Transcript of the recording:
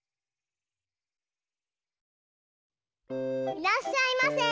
いらっしゃいませ！